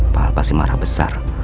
pak pasti marah besar